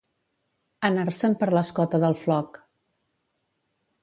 Anar-se'n per l'escota del floc.